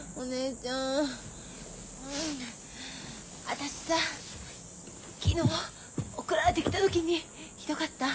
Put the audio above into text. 私さ昨日送られてきた時にひどかった？